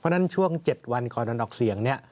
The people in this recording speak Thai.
เพราะฉะนั้นช่วง๗วันก่อนออกเสียง